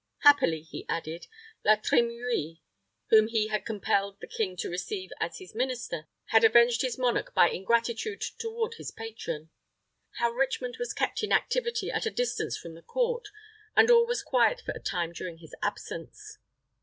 Happily, he added, La Trimouille, whom he had compelled the king to receive as his minister, had avenged his monarch by ingratitude toward his patron; how Richmond was kept in activity at a distance from the court, and all was quiet for a time during his absence.